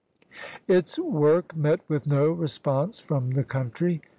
Its work met with no response from the country.